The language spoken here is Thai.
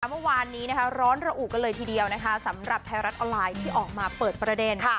เมื่อวานนี้นะคะร้อนระอุกันเลยทีเดียวนะคะสำหรับไทยรัฐออนไลน์ที่ออกมาเปิดประเด็น